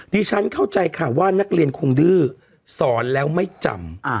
เข้าใจค่ะว่านักเรียนคงดื้อสอนแล้วไม่จำ